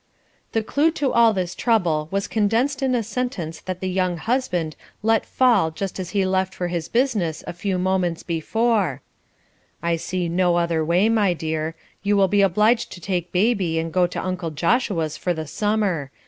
The clue to all this trouble was condensed in a sentence that the young husband let fall just as he left for his business a few moments before "I see no other way, my dear: you will be obliged to take baby and go to Uncle Joshua's for the summer.